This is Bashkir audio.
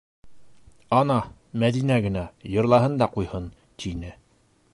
Ана, Мәҙинә генә йырлаһын да ҡуйһын, - тине.